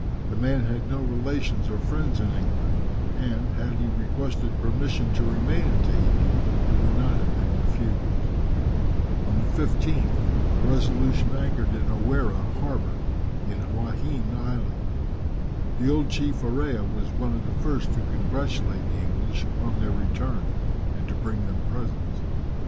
The man had no relations or friends in England, and, had he requested permission to remain in Tahiti, it would not have been refused. On the 15th, the Resolution anchored in O Wharre harbour, in Huaheine Island. The old chief Orea was one of the first to congratulate the English upon their return, and to bring them presents.